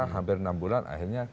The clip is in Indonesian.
hampir enam bulan akhirnya